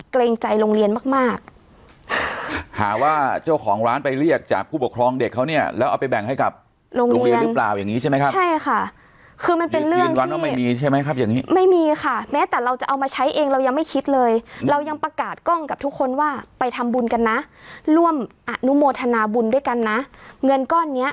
เกรงใจโรงเรียนมากมากหาว่าเจ้าของร้านไปเรียกจากผู้ปกครองเด็กเขาเนี่ยแล้วเอาไปแบ่งให้กับโรงเรียนหรือเปล่าอย่างงี้ใช่ไหมครับใช่ค่ะคือมันเป็นเรื่องยืนยันว่าไม่มีใช่ไหมครับอย่างนี้ไม่มีค่ะแม้แต่เราจะเอามาใช้เองเรายังไม่คิดเลยเรายังประกาศกล้องกับทุกคนว่าไปทำบุญกันนะร่วมอนุโมทนาบุญด้วยกันนะเงินก้อนเนี้ย